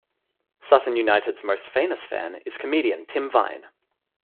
Sutton United's most famous fan is comedian Tim Vine.